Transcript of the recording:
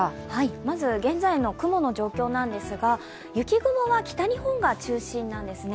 まず、現在の雲の状況なんですが雪雲は北日本が中心なんですね。